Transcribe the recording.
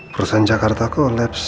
perusahaan jakarta kolaps